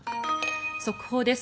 速報です。